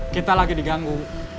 kita lagi diganggu